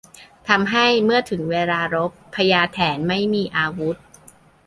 ทำให้เมื่อถึงเวลารบ พญาแถนไม่มีอาวุธ